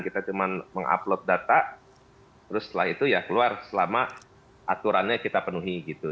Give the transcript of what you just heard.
kita cuma mengupload data terus setelah itu ya keluar selama aturannya kita penuhi gitu